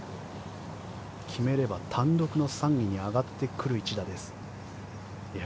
決めれば単独の３位に上がってくる一打です。